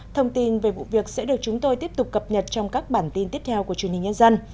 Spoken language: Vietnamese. thông tin về vụ việc sẽ được chúng tôi tiếp tục cập nhật trong các bản tin tiếp theo của truyền hình nhân dân